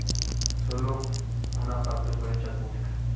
Sólo una parte fue hecha pública.